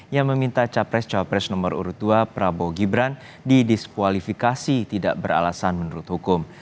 yang meminta capres capres nomor urut dua prabowo gibran didiskualifikasi tidak beralasan menurut hukum